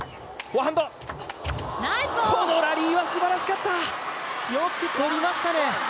このラリーはすばらしかった、よくとりましたね。